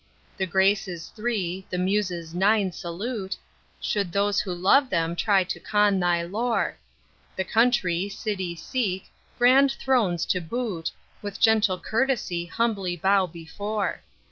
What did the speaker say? The Graces three, the Muses nine salute, Should those who love them try to con thy lore. The country, city seek, grand thrones to boot, With gentle courtesy humbly bow before.